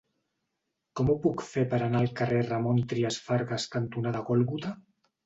Com ho puc fer per anar al carrer Ramon Trias Fargas cantonada Gòlgota?